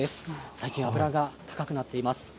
最近、油が高くなっています。